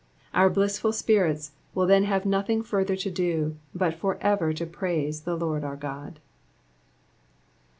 Our blissful spirits will then have nothing further to do but for ever to praise the Lord our God.